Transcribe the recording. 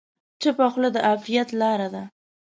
چپه خوله، د عافیت لاره ده.